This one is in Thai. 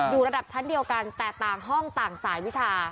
ระดับชั้นเดียวกันแต่ต่างห้องต่างสายวิชา